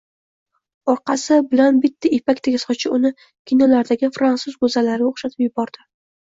Orqasi bilan bitta ipakdek sochi uni kinolardagi frantsuz goʼzallariga oʼxshatib yubordi.